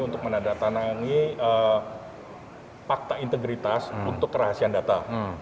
untuk menandatangani fakta integritas untuk kerahasiaan data